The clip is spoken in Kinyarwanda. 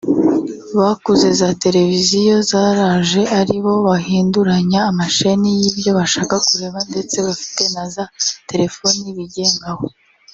bakuze za televiziyo zaraje aribo bahinduranya amasheni y’ibyo bashaka kureba ndetse bafite na za telefoni bigengaho